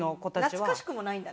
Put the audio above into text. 懐かしくもないんだね。